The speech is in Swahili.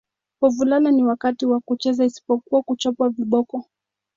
Wavulana ni wakati wa kucheza isipokuwa kuchapwa viboko